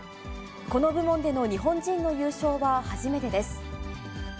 この部門での日本人の優勝は初めてです。